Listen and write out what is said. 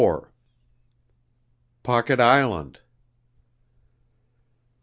POCKET ISLAND.